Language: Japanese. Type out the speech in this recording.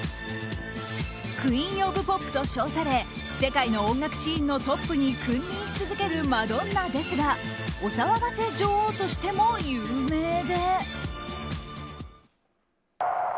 クイーン・オブ・ポップと称され世界の音楽シーンのトップに君臨し続けるマドンナですがお騒がせ女王としても有名で。